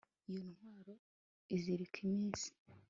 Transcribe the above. iyo ntwaro izirika iminsi